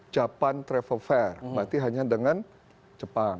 japan travel fair berarti hanya dengan jepang